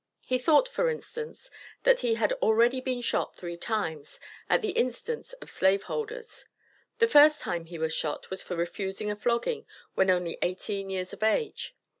He thought, for instance, that he had already been shot three times, at the instance of slave holders. The first time he was shot was for refusing a flogging when only eighteen years of age.